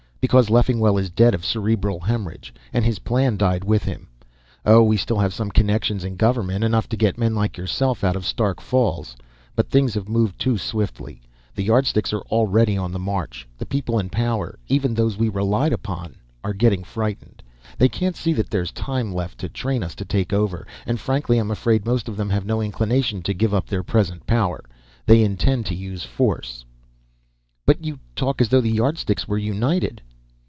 "Because Leffingwell is dead, of cerebral hemorrhage. And his plan died with him. Oh, we still have some connections in government; enough to get men like yourself out of Stark Falls. But things have moved too swiftly. The Yardsticks are already on the march. The people in power even those we relied upon are getting frightened. They can't see that there's time left to train us to take over. And frankly, I'm afraid most of them have no inclination to give up their present power. They intend to use force." "But you talk as though the Yardsticks were united."